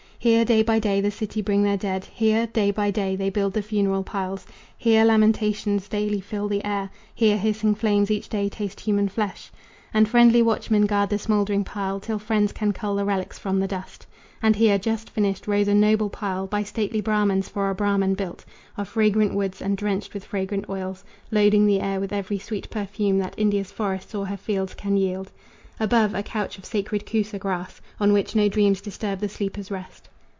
Here, day by day, the city bring their dead; Here, day by day, they build the funeral piles; Here lamentations daily fill the air; Here hissing flames each day taste human flesh, And friendly watchmen guard the smoldering pile Till friends can cull the relics from the dust. And here, just finished, rose a noble pile By stately Brahmans for a Brahman built Of fragrant woods, and drenched with fragrant oils, Loading the air with every sweet perfume That India's forests or her fields can yield; Above, a couch of sacred cusa grass, On which no dreams disturb the sleeper's rest.